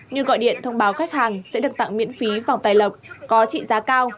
như gọi điện thông báo khách hàng sẽ được tặng miễn phí vòng tài lộc có trị giá cao